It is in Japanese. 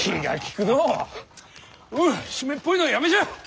おう湿っぽいのはやめじゃ！